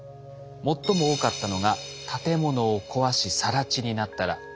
最も多かったのが建物を壊しさら地になったら。